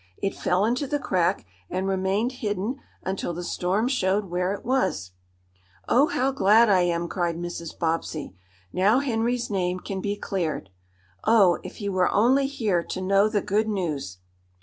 It fell into the crack, and remained hidden until the storm showed where it was." "Oh, how glad I am!" cried Mrs. Bobbsey. "Now Henry's name can be cleared! Oh, if he were only here to know the good news!"